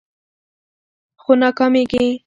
خو ناکامیږي